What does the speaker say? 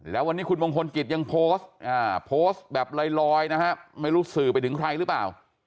แล้ววันนี้คุณมงคลกิจยังโพสต์โพสต์แบบลอยนะฮะไม่รู้สื่อไปถึงใครหรือเปล่า